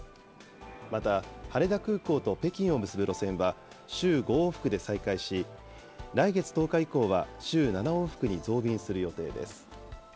また、羽田空港と北京を結ぶ路線は週５往復で再開し、来月１０日以降は週７往復に増便する予定です。